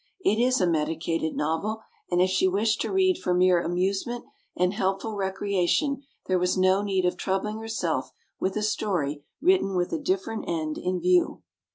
It is a medicated novel, and if she wished to read for mere amusement and helpful recreation there was no need of troubling herself with a story written with a different end in view.